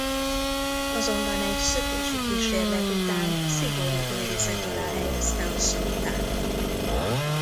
Azonban egy szökési kísérlet után szigorú őrizet alá helyezte a szultánt.